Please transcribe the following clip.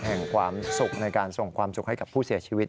แห่งความสุขในการส่งความสุขให้กับผู้เสียชีวิต